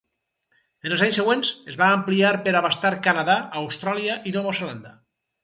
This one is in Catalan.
En els anys següents, es va ampliar per abastar Canadà, Austràlia i Nova Zelanda.